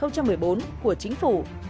của chính phủ